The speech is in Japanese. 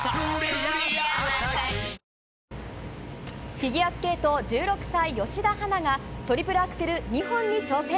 フィギュアスケート１６歳、吉田陽菜がトリプルアクセル２本に挑戦。